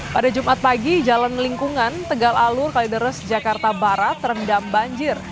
pada jumat pagi jalan lingkungan tegal alur kalideres jakarta barat terendam banjir